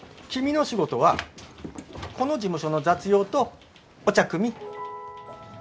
君の仕事はこの事務所の雑用とお茶くみ。